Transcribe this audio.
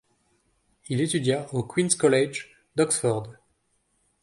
Il étudia au Queens College d'Oxford.